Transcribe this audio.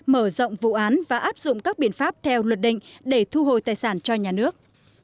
mở rộng vụ án và áp dụng các biện pháp theo luật định để thu hồi tài sản cho nhà nước